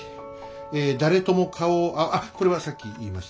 え誰とも顔をあっこれはさっき言いました。